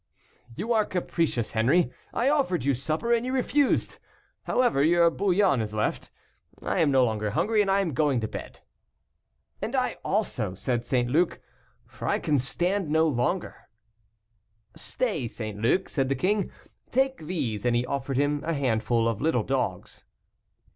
"You are capricious, Henri; I offered you supper and you refused. However, your bouillon is left; I am no longer hungry, and I am going to bed." "And I also," said St. Luc, "for I can stand no longer." "Stay, St. Luc," said the king, "take these," and he offered him a handful of little dogs.